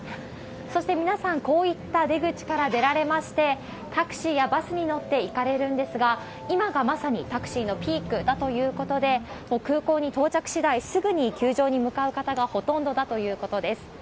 そして皆さん、こういった出口から出られまして、タクシーやバスに乗って行かれるんですが、今がまさにタクシーのピークだということで、空港に到着しだい、すぐに球場に向かう方がほとんどだということです。